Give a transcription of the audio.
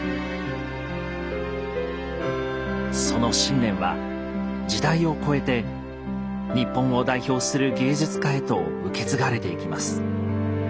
その信念は時代を超えて日本を代表する芸術家へと受け継がれていきます。